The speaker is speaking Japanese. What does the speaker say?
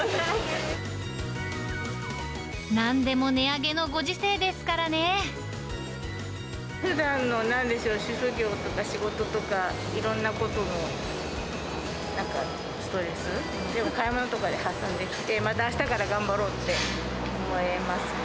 なんでも値上げのご時世ですふだんのなんでしょう、主婦業とか仕事とか、いろんなことの、なんか、ストレス、でも買い物とかで発散できて、またあしたから頑張ろうって思えますね。